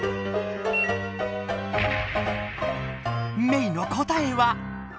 メイの答えは。